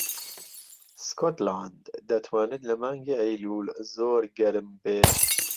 سکۆتلاند دەتوانێت لە مانگی ئەیلوول زۆر گەرم بێت.